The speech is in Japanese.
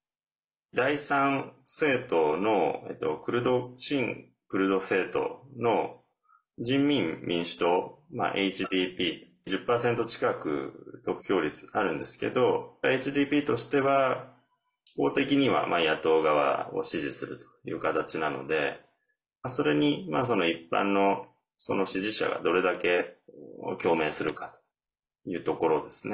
第３政党の親クルド政党の人民民主党＝ＨＤＰ１０％近く得票率あるんですけどＨＤＰとしては党的には野党側を支持するという形なのでそれに一般の支持者が、どれだけ共鳴するかというところですね。